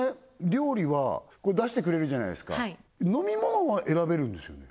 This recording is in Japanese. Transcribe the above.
料理は出してくれるじゃないですかはい飲み物は選べるんですよね？